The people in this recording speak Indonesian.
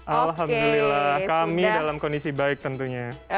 alhamdulillah kami dalam kondisi baik tentunya